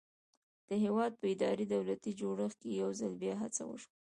د هېواد په اداري دولتي جوړښت کې یو ځل بیا هڅه وشوه.